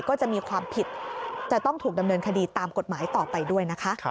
คุณผู้ชาย